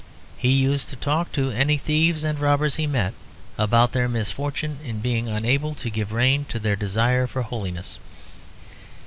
He used to talk to any thieves and robbers he met about their misfortune in being unable to give rein to their desire for holiness.